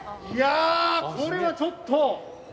いやこれはちょっと。